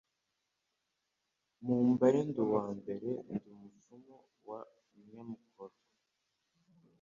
Mu mbare ndi uwa mbere, Ndi umupfumu wa Nyamurorwa*